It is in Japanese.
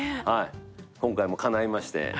今回もかないまして。